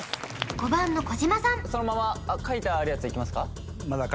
５番の児嶋さんそのまま書いてあるやつでいきますか？